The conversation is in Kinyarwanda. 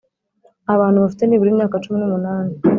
Abantu bafite nibura imyaka cumi n’umunani